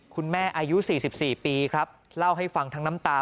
คุณแม่อายุ๔๔ปีครับเล่าให้ฟังทางน้ำตา